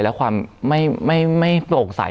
และความไม่โปร่งใส